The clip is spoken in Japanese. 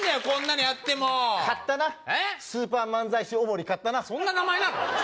こんなのやっても買ったなスーパー漫才師おもり買ったなそんな名前なの？